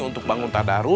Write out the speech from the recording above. untuk bangun tadaru